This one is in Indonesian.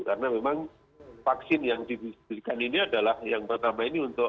karena memang vaksin yang diberikan ini adalah yang pertama ini untuk